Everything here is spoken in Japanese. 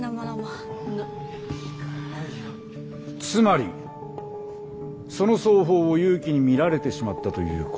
つまりその双方を祐樹に見られてしまったということですか。